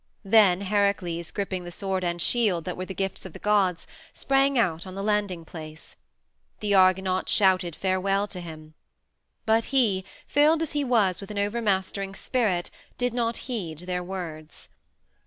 Then Heracles, gripping the sword and shield that were the gifts of the gods, sprang out on the landing place. The Argonauts shouted farewell to him. But he, filled as he was with an overmastering spirit, did not heed their words.